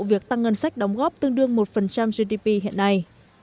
việc tăng ngân sách đóng góp tương đương một gdp hiện nay